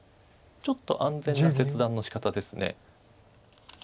ちょっと安全な切断のしかたです。